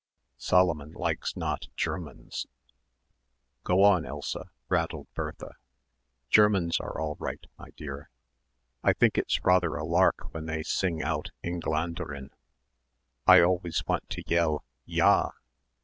"Solomon likes not Germans." "Go on, Elsa," rattled Bertha. "Germans are all right, me dear. I think it's rather a lark when they sing out Engländerin. I always want to yell 'Ya!'"